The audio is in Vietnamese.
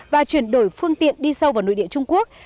và chuyển đổi phương tiện đi sâu vào nội địa trung quốc